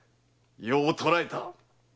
よう捕らえた。